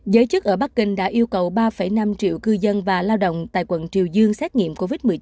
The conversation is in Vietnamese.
giới chức ở bắc kinh đã yêu cầu ba năm triệu cư dân và lao động tại quận triều dương xét nghiệm covid một mươi chín